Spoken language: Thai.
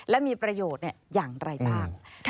และมีประโยชน์อย่างไรบ้าง